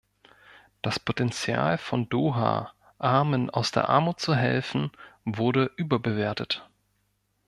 Das Potenzial von Doha, Armen aus der Armut zu helfen, wurde überbewertet.